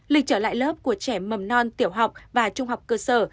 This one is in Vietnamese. lịch trở lại lớp của trẻ mầm non tiểu học và trung học cơ sở